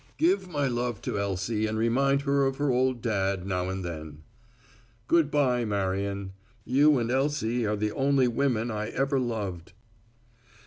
"Give my love to Elsie and remind her of her old dad now and then. "Good bye, Marion. You and Elsie are the only women I ever loved.